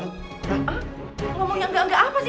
ngomong yang enggak enggak apa sih